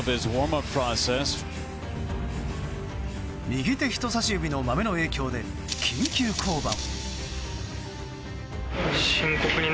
右手人差し指のまめの影響で緊急降板。